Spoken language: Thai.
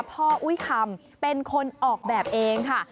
อุ้ยคำเป็นคนออกแบบเองค่ะ